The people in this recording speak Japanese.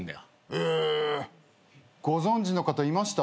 へぇご存じの方いました？